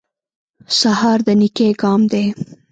سهار د نېکۍ ګام دی.